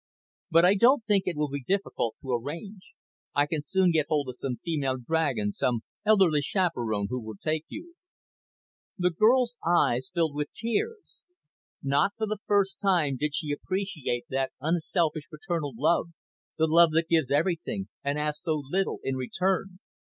"But I don't think it will be difficult to arrange. I can soon get hold of some female dragon, some elderly chaperon who will take you." The girl's eyes filled with tears. Not for the first time did she appreciate that unselfish parental love, the love that gives everything, and asks so little in return.